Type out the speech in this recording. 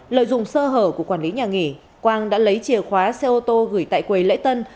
lợi dụng sơ hở của quản lý nhà nghỉ quang đã lấy chìa khóa xe ô tô gửi tại quầy lễ tân